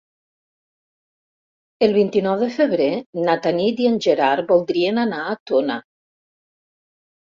El vint-i-nou de febrer na Tanit i en Gerard voldrien anar a Tona.